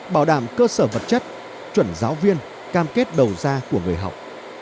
bảo đảm cơ sở vật chất chuẩn giáo viên cam kết đầu ra của người học